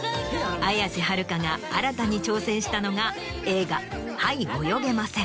綾瀬はるかが新たに挑戦したのが映画『はい、泳げません』。